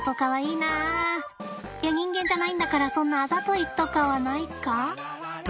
いや人間じゃないんだからそんなあざといとかはないか。